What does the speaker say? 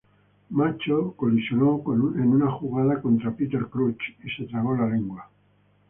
Macho colisionó en una jugada contra Peter Crouch y se tragó la lengua.